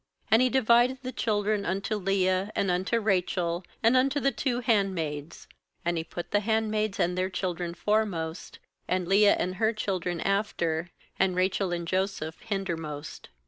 And he divided the children unto Leah, and unto Rachel, and unto the two handmaids. 2And he put the hand maids and their children foremost, and Leah and her children after, and Rachel and Joseph hindermost.